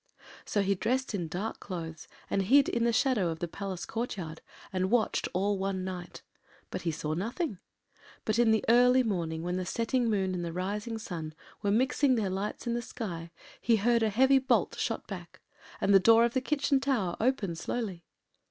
” So he dressed in dark clothes and hid in the shadow of the palace courtyard and watched all one night. And he saw nothing. But in the early morning, when the setting moon and the rising sun were mixing their lights in the sky, he heard a heavy bolt shot back, and the door of the kitchen tower opened slowly.